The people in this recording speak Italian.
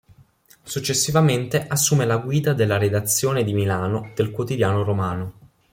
Successivamente assume la guida della redazione di Milano del quotidiano romano.